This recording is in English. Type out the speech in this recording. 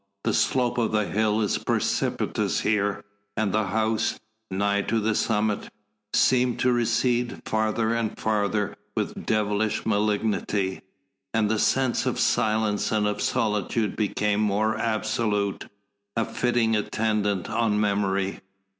The slope of the hill is precipitous here, and the house nigh to the summit seemed to recede farther and farther with devilish malignity. And the sense of silence and of solitude became more absolute, a fitting attendant on memory.